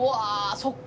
そっか。